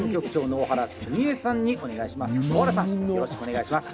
小原さん、よろしくお願いします。